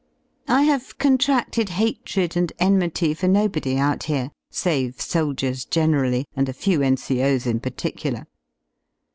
I have contraded hatred and enmity for nobody out here, f6ave~s61diefs~ generally and a few N.C.O.'s in particular.